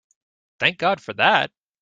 Thank God for that!